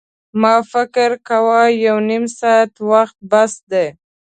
ما فکر کاوه یو نیم ساعت وخت بس دی.